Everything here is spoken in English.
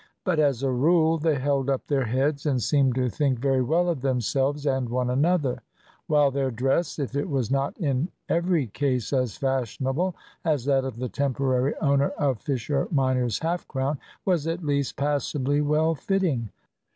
But as a rule they held up their heads and seemed to think very well of themselves and one another; while their dress, if it was not in every case as fashionable as that of the temporary owner of Fisher minor's half crown, was at least passably well fitting.